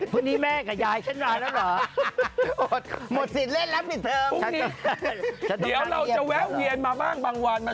พรุ่งนี้แม่กับ